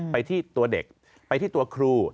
ไปที่ตัวเด็กไปที่ตัวครู